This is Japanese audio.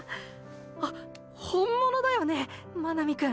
あ本物だよね真波くん。